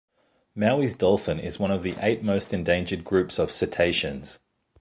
Maui's dolphin is one of the eight most endangered groups of cetaceans.